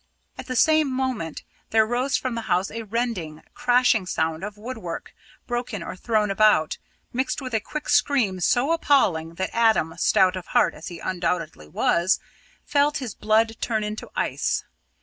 At the same moment there rose from the house a rending, crashing sound of woodwork, broken or thrown about, mixed with a quick scream so appalling that Adam, stout of heart as he undoubtedly was, felt his blood turn into ice.